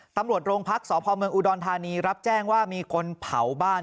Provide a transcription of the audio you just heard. ตำรวจโรงพักษพเมืองอุดรธานีรับแจ้งว่ามีคนเผาบ้าน